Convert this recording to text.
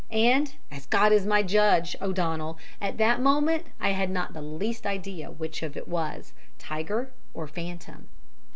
And, as God is my judge, O'Donnell, at that moment I had not the least idea which of it was tiger or phantom.